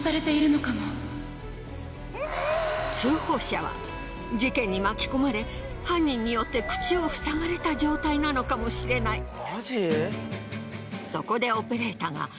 通報者は事件に巻き込まれ犯人によって口を塞がれた状態なのかもしれない。